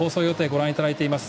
ご覧いただいています。